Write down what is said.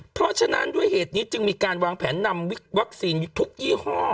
เพราะฉะนั้นด้วยเหตุนี้จึงมีการวางแผนนำวัคซีนทุกยี่ห้อ